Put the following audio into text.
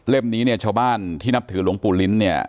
เร็ดนี้ชาวบ้านที่นับถือหลวงปู่ลิ้น